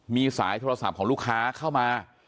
มีสายโทรศัพท์ของลูกค้าเข้ามา